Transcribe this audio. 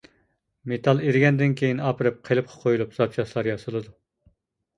مېتال ئېرىگەندىن كېيىن ئاپىرىپ قېلىپقا قويۇلۇپ، زاپچاسلار ياسىلىدۇ.